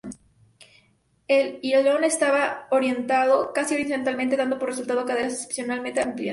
El ilion estaba orientado casi horizontalmente, dando por resultado caderas excepcionalmente amplias.